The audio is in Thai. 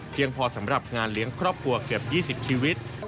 พอสำหรับงานเลี้ยงครอบครัวเกือบ๒๐ชีวิต